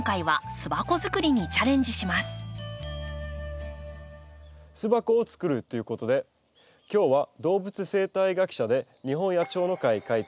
巣箱を作るということで今日は動物生態学者で日本野鳥の会会長